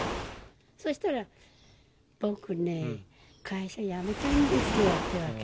そしたら、僕ね、会社辞めたんですよって言うわけ。